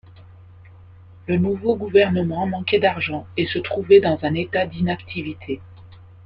Le nouveau gouvernement manquait d’argent et se trouvait dans un état d’inactivité.